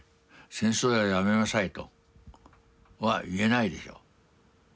戦争はやめなさいとは言えないでしょう。